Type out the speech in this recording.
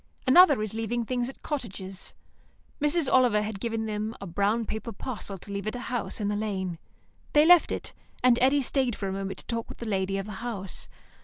Another is leaving things at cottages. Mrs. Oliver had given them a brown paper parcel to leave at a house in the lane. They left it, and Eddy stayed for a moment to talk with the lady of the house.